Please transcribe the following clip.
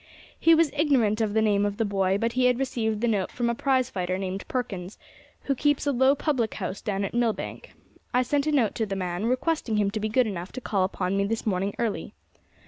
"He was ignorant of the name of the boy, but he had received the note from a prize fighter named Perkins, who keeps a low public house down at Millbank. I sent a note to the man, requesting him to be good enough to call upon me this morning early.